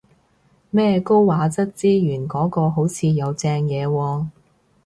咩高畫質資源嗰個好似有正嘢喎